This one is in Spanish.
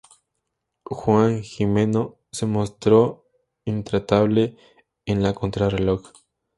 Juan Gimeno se mostró intratable en la contrarreloj.